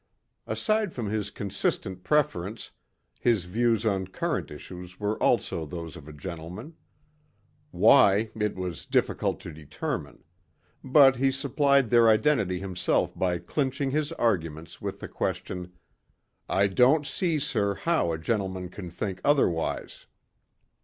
Aside from his consistent preference, his views on current issues were also those of a gentleman. Why, it was difficult to determine. But he supplied their identity himself by clinching his arguments with the question, "I don't see, sir, how a gentleman can think otherwise."